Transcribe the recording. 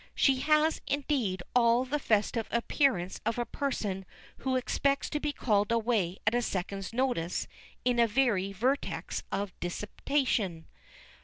She has, indeed, all the festive appearance of a person who expects to be called away at a second's notice into a very vertex of dissipation.